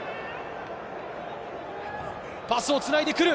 パスをつないでくる。